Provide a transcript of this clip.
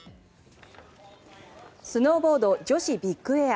スノーボード、女子ビッグエア。